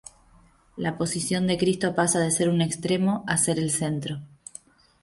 La posición de Cristo pasa de ser un extremo a ser el centro.